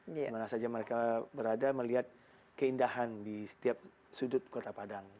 dimana saja mereka berada melihat keindahan di setiap sudut kota padang